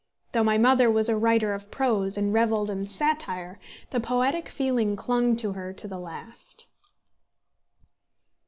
Though my mother was a writer of prose, and revelled in satire, the poetic feeling clung to her to the last.